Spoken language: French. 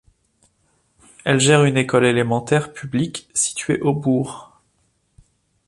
Elle gère une école élémentaire publique, située au bourg.